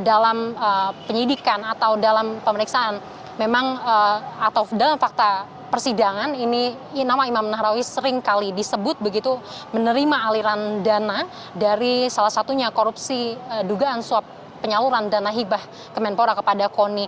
dalam penyidikan atau dalam pemeriksaan memang atau dalam fakta persidangan ini nama imam nahrawi seringkali disebut begitu menerima aliran dana dari salah satunya korupsi dugaan suap penyaluran dana hibah kemenpora kepada koni